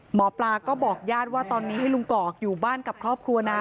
หมอปลาก็บอกญาติว่าตอนนี้ให้ลุงกอกอยู่บ้านกับครอบครัวนะ